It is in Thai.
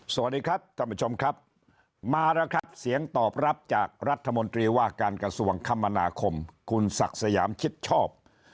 สวัสดีครับท่านผู้ชมครับมาแล้วครับเสียงตอบรับจากรัฐมนตรีว่าการกระทรวงคมนาคมคุณศักดิ์สยามชิดชอบ